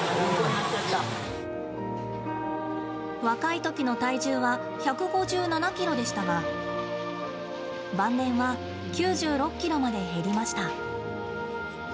若いときの体重は１５７ｋｇでしたが晩年は、９６ｋｇまで減りました。